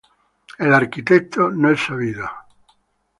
El arquitecto no es sabido.